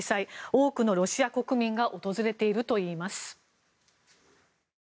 多くのロシア国民が訪れているといいます。